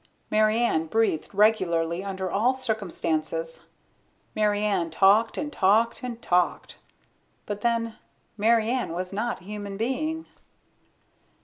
Mary Ann breathed regularly under all circumstances. Mary Ann talked and talked and talked. But then, Mary Ann was not a human being.